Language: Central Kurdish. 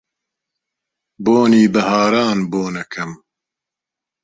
بۆنی بەهاران بۆن ئەکەم